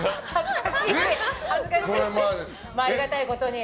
ありがたいことに。